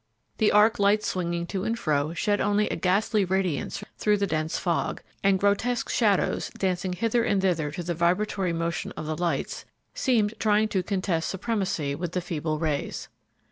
The arc lights swinging to and fro shed only a ghastly radiance through the dense fog, and grotesque shadows, dancing hither and thither to the vibratory motion of the lights, seemed trying to contest supremacy with the feeble rays.